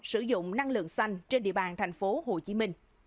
sử dụng năng lượng xanh trên địa bàn tp hcm